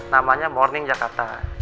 namanya morning jakarta